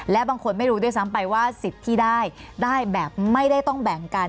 และบางคนไม่รู้ด้วยซ้ำไปว่าสิทธิ์ที่ได้ได้แบบไม่ได้ต้องแบ่งกัน